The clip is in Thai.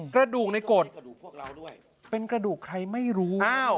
กระดูกในโกดเป็นกระดูกใครไม่รู้